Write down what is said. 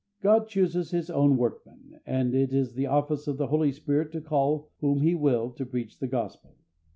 God chooses His own workmen, and it is the office of the Holy Spirit to call whom He will to preach the Gospel.